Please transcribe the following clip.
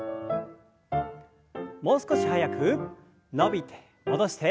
もう少し速く伸びて戻して。